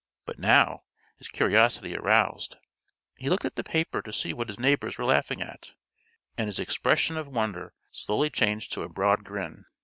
But now, his curiosity aroused, he looked at the paper to see what his neighbors were laughing at, and his expression of wonder slowly changed to a broad grin.